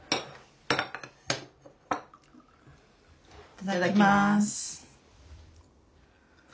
いただきます。